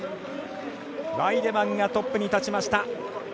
ワイデマンがトップに立ちました。